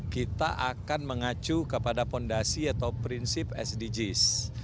kita akan mengacu kepada fondasi atau prinsip sdgs